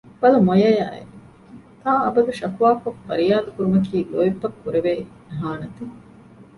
ބަލަ މޮޔަޔާއެވެ! ތާއަބަދު ޝަކުވާކޮށް ފަރިޔާދު ކުރުމަކީ ލޯތްބަށް ކުރެވޭ އިހާނަތެއް